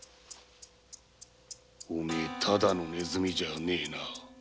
お前ただのネズミじゃねぇな。